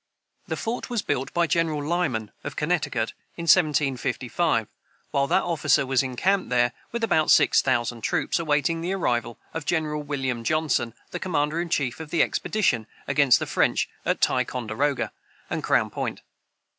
The fort was built by General Lyman, of Connecticut, in 1755, while that officer was encamped there with about six thousand troops, awaiting the arrival of General William Johnson, the commander in chief of the expedition against the French at Ticonderoga and Crown Point.